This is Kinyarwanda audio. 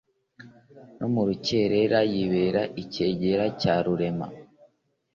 No mu rukerera yibera icyegera cya Rurema.